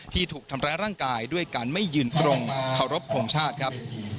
ที่ถูกทำแร้ร่างกายด้วยการไม่ยืนตรงขอรบผงชาตรครับ